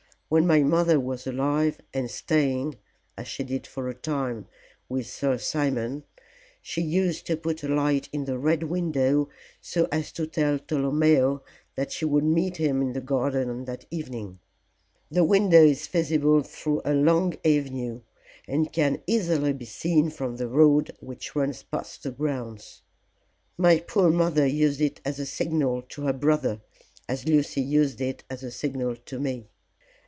When my mother was alive, and staying as she did for a time with Sir Simon, she used to put a light in the Red Window so as to tell Tolomeo that she would meet him in the garden on that evening. The window is visible through a long avenue, and can easily be seen from the road which runs past the grounds. My poor mother used it as a signal to her brother, as Lucy used it as a signal to me.